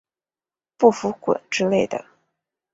不服滚之类的